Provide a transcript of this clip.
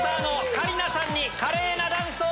カリナさんに華麗なダンスを